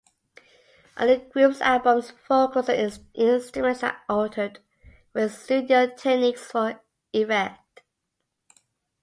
On the group's albums, vocals and instruments are altered with studio techniques for effect.